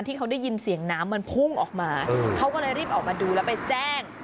ที่เขาได้ยินเสียงน้ำมันพุ่งออกมาเขาก็เลยรีบออกมาดูแล้วไปแจ้ง